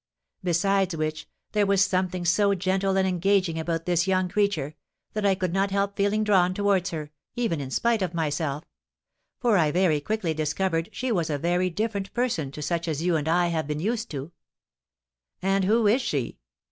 Besides which, there was something so gentle and engaging about this young creature, that I could not help feeling drawn towards her, even in spite of myself; for I very quickly discovered she was a very different person to such as you and I have been used to." "And who is she?"